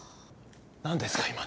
何ですか？